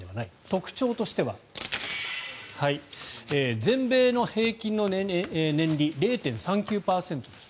特徴としては、全米の平均の年利０．３９％です。